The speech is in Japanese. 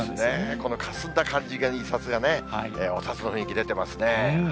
このかすんだ感じが、印刷がね、お札の雰囲気出てますね。